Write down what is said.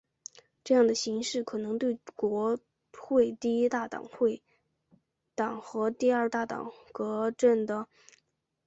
这样的形势可能对国会第一大党大会党和第二大党革阵的选情构成不利影响。